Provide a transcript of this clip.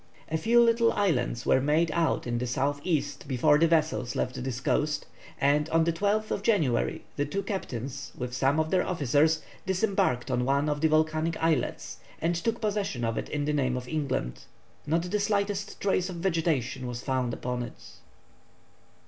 _] A few little islands were made out in the south east before the vessels left this coast, and on the 12th January the two captains, with some of their officers, disembarked on one of the volcanic islets, and took possession of it in the name of England. Not the slightest trace of vegetation was found upon it.